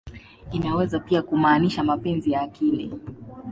Inaweza pia kumaanisha "mapenzi ya akili.